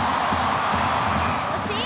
惜しい！